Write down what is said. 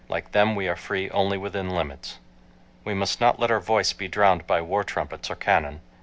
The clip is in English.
Like them we are free only within limits .... We must not let our voice be drowned by war trumpets or cannon.